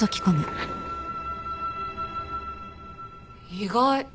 意外。